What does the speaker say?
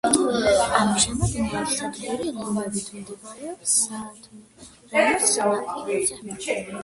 ამჟამად ნავსადგური ლომებით მდებარეობს საადმირალოს სანაპიროზე.